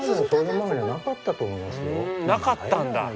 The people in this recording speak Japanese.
なかったんだ。